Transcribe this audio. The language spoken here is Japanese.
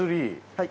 はい。